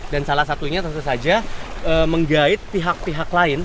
dan salah satunya tentu saja menggait pihak pihak lain